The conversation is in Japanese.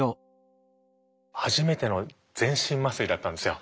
初めての全身麻酔だったんですよ。